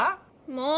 もう！